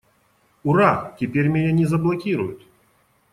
Ура! Теперь меня не заблокируют!